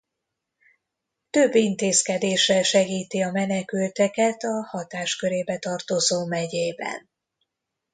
Több intézkedéssel segíti a menekülteket a hatáskörébe tartozó megyében.